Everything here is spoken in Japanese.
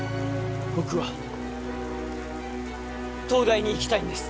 僕は東大に行きたいんです